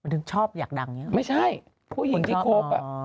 ถึงชอบอยากดังอย่างนี้หรอคุณชอบอ๋อไม่ใช่ผู้หญิงที่ครบอ่ะ